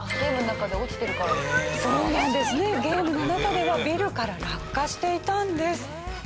ゲームの中ではビルから落下していたんです。